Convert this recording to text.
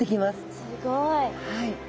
すごい。